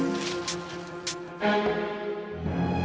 gak ada apa apa